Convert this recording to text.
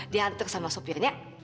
dianter sama sopirnya